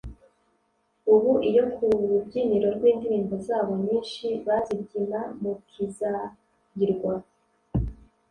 ubu iyo ku rubyiniro rw’indirimbo zabo nyinshi bazibyina mukizayirwa